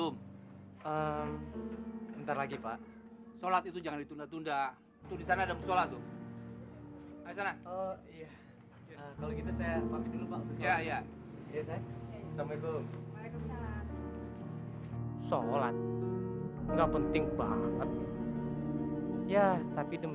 mari kita larang